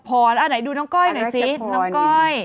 ไหนดูน้องก้อยหน่อยสิน้องก้อย